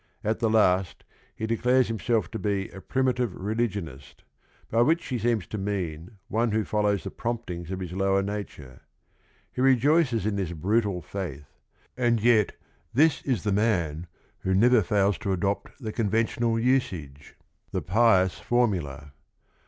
At the last he de clares himself to be "a primitive religionist," by which he seems to mean one who follows the promptings of his lower nature. He rejoices in this brutal faith, and yet this is the man who never fails to adopt the conventional usage, the 218 THE RING AND THE BOOK i i: pious formula.